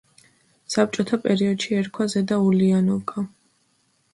საბჭოთა პერიოდში ერქვა ზედა ულიანოვკა.